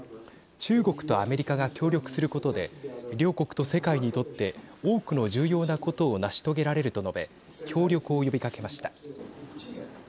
中国とアメリカが協力することで両国と世界にとって多くの重要なことを成し遂げられると述べ協力を呼びかけました。